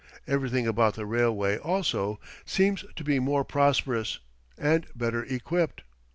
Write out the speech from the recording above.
Everything about the railway, also, seems to be more prosperous, and better equipped.